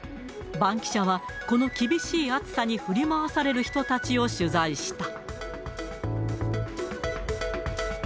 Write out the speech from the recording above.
バンキシャは、この厳しい暑さに振り回される人たちを取材した。